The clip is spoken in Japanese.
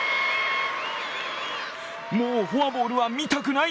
もうフォアボールは見たくない。